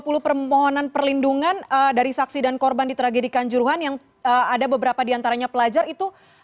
jadi itu permohonan perlindungan dari saksi dan korban di tragedikan juruhan yang ada beberapa di antaranya pelajar itu